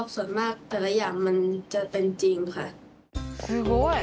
すごい。